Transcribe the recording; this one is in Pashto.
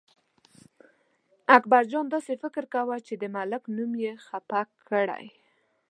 اکبرجان داسې فکر کاوه چې د ملک نوم یې خپه کړی.